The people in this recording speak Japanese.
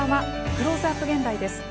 「クローズアップ現代」です。